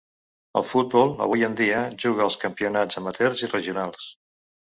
El futbol, avui en dia, juga els campionats amateurs i regionals.